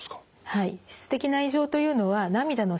はい。